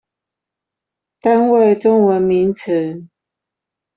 單位中文名詞